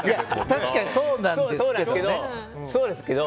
確かにそうなんですけど。